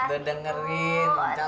sedip begitu baiklah pak